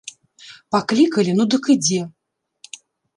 Паклікалі, ну дык ідзе.